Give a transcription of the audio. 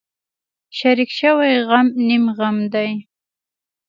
شریک شوی غم نیم غم دی.